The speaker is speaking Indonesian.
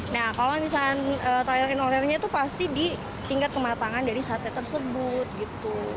nah kalau misalnya trial and ordernya itu pasti di tingkat kematangan dari sate tersebut gitu